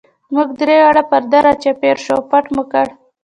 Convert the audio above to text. موږ درې واړه پر ده را چاپېر شو او پټ مو کړ.